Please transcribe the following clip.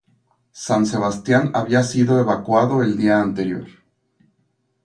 San Sebastián había sido evacuado el día anterior.